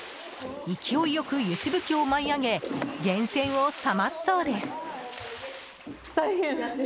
勢い良く湯しぶきを舞い上げ源泉を冷ますそうです。